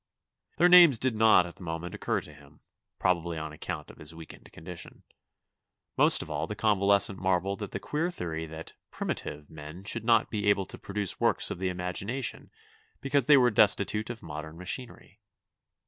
Their names did not at the moment occur to him, probably on account of his weakened condition. Most of all, the convales cent marvelled at the queer theory that "primitive" men should not be able to produce works of the imagina tion because they were destitute of modern machinery.